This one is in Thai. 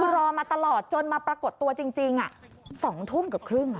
คือรอมาตลอดจนมาปรากฏตัวจริง๒ทุ่มกับครึ่ง